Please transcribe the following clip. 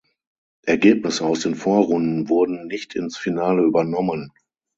Ergebnisse aus den Vorrunden wurden nicht ins Finale übernommen.